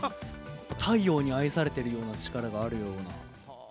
太陽に愛されてるような力があるような。